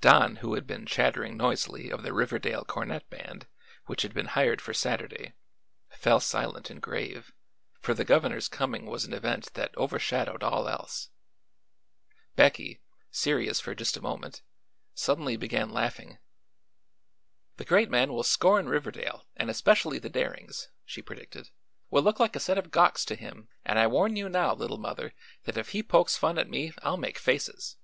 Don, who had been chattering noisily of the Riverdale Cornet Band, which had been hired for Saturday, fell silent and grave, for the governor's coming was an event that overshadowed all else. Becky, serious for just a moment, suddenly began laughing. "The Great Man will scorn Riverdale, and especially the Darings," she predicted. "We'll look like a set of gawks to him and I warn you now, Little Mother, that if he pokes fun at me I'll make faces.